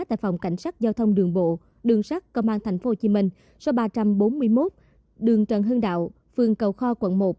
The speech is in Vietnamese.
tại phòng cảnh sát giao thông đường bộ đường sát công an tp hcm số ba trăm bốn mươi một đường trần hưng đạo phường cầu kho quận một